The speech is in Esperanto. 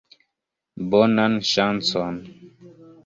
Bonan ŝancon!